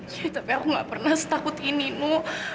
ya tapi aku gak pernah setakut ini mo